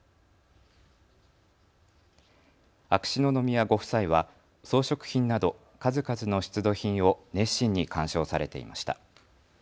秋篠宮ご夫妻は装飾品など数々の出土品を熱心に鑑賞されていました。